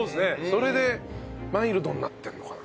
それでマイルドになってるのかな？